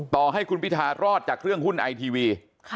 ต่อให้คุณพิทารอดจากเรื่องหุ้นไอทีวี